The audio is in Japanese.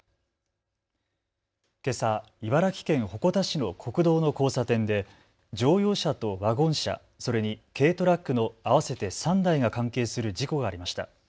けさ茨城県鉾田市の国道の交差点で乗用車とワゴン車、それに軽トラックの合わせて３台が関係する事故がありました。